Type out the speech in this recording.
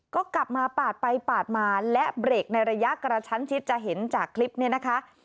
ก็กลับมาปาดไปปาดมาและเบรกในระยะกระชั้นชิดจะเห็นจากคลิปนี้นะคะ